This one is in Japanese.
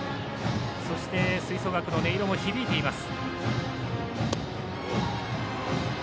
そして、吹奏楽の音色も響いています。